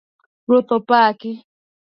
Ruoth opaki